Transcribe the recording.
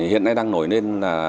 hiện nay đang nổi lên là